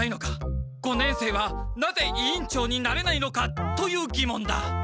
五年生はなぜ委員長になれないのかというぎもんだ。